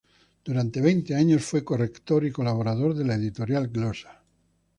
Durante veinte años fue corrector y colaborador de la editorial Glosa.